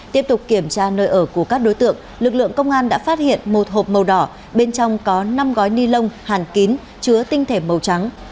tiếp tục kiểm tra nơi ở của các đối tượng lực lượng công an đã phát hiện một hộp màu đỏ bên trong có năm gói ni lông hàn kín chứa tinh thể màu trắng